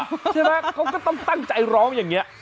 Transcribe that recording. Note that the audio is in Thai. ใช่ไหมเขาก็ต้องตั้งใจร้องอย่างนี้